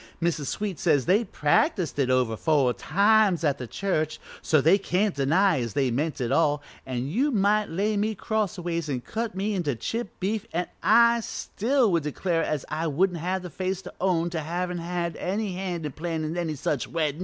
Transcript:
Mrs. Sweet says they practised it over four times at the church, so they can't deny as they meant it all, an' you might lay me crossways an' cut me into chipped beef an' still I would declare as I wouldn't have the face to own to havin' had any hand in plannin' any such weddin'.